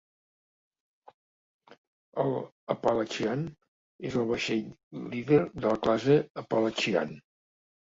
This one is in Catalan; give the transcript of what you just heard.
El "Appalachian" era el vaixell líder de la classe "Appalachian".